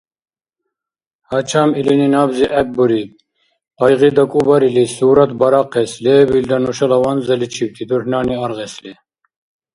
Гьачам илини набзи гӀеббуриб, къайгъи дакӀубарили сурат барахъес, лебилра нушала ванзаличибти дурхӀнани аргъесли.